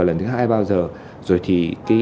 lần thứ hai là bao giờ rồi thì